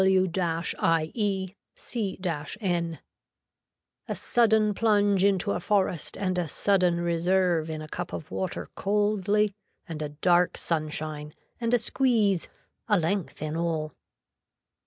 W IE C N. A sudden plunge into a forest and a sudden reserve in a cup of water coldly and a dark sunshine and a squeeze, a length in all.